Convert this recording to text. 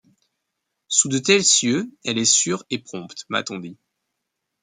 Sous de tels cieux, elle est sûre et prompte, m’a-t-on dit.